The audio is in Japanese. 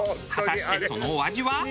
果たしてそのお味は？